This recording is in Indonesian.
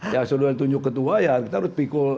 yang sudah tunjuk ketua ya kita harus pikul